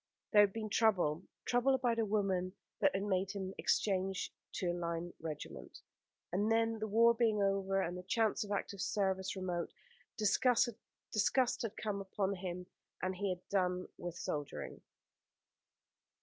There had been trouble trouble about a woman that had made him exchange to a line regiment and then the war being over, and the chance of active service remote, disgust had come upon him, and he had done with soldiering.